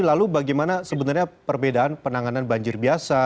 lalu bagaimana sebenarnya perbedaan penanganan banjir biasa